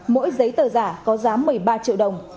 mỗi giấy tờ giả có giá một mươi ba triệu đồng